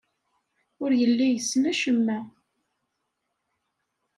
Ur yelli yessen acemma.